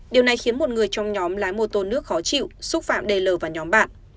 điều này khiến một người trong nhóm lái mô tô nước khó chịu xúc phạm d l và nhóm bạn